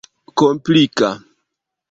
komplika